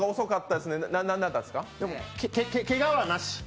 でもけがはなし。